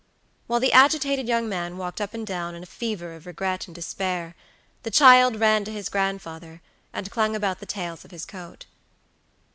While the agitated young man walked up and down in a fever of regret and despair, the child ran to his grandfather, and clung about the tails of his coat.